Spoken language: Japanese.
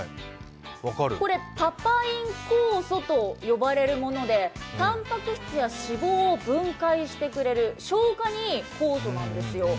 これパパイン酵素と呼ばれるものでたんぱく質や脂肪を分解してくれる、消化にいい酵素なんですよ。